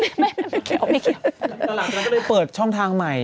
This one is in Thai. ตอนหลังก็เลยเปิดช่องทางใหม่